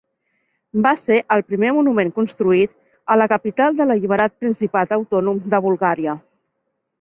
Va ser el primer monument construït a la capital de l'alliberat Principat autònom de Bulgària.